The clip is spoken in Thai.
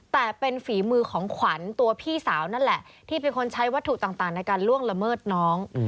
แต่เป็นฝีมือของขวัญตัวพี่สาวนั่นแหละที่เป็นคนใช้วัตถุต่างในการล่วงละเมิดน้อง